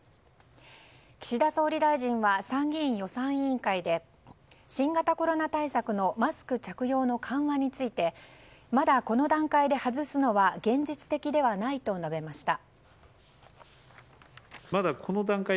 岸田総理大臣は参議院予算委員会で新型コロナ対策のマスク着用の緩和についてまだこの段階で外すのは現実的ではないと述べました。